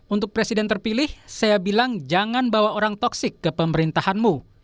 untuk presiden terpilih saya bilang jangan bawa orang toksik ke pemerintahanmu